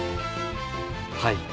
はい。